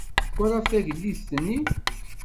Twalaḍ tagellidt-nni?